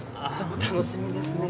楽しみですね。